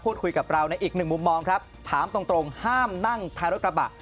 คุยกับเราในอีกหนึ่งมุมมองครับถามตรงตรงห้ามนั่งท้ายรถกระบะ